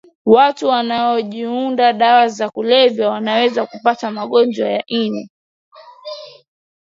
watu wanaojidunga dawa za kulevya wanaweza kupata ugonjwa wa ini